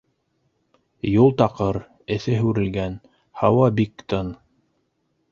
Юл таҡыр, эҫе һүрелгән, һауа бик тын.